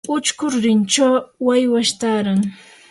uchku rurinchawmi waywash taaran.